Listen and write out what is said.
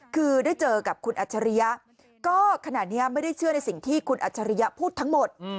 คือได้เจอกับคุณอัจฉริยะก็ขณะนี้ไม่ได้เชื่อในสิ่งที่คุณอัจฉริยะพูดทั้งหมด